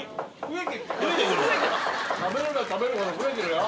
食べれば食べるほど増えてるよ。